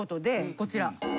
こちら。